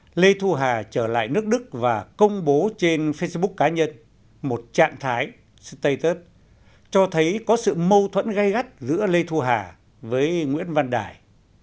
hôm nay lê thu hà trở lại nước đức và công bố trên facebook cá nhân một trạng thái status cho thấy có sự mâu thuẫn gây gắt giữa lê thu hà với nguyễn văn đại